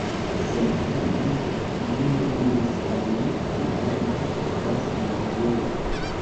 Sed tamen vi ne diris al mi, kial vi estas malĝoja.